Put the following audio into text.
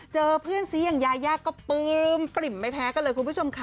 เจอเพื่อนซีอย่างยายาก็ปลื้มปริ่มไม่แพ้กันเลยคุณผู้ชมค่ะ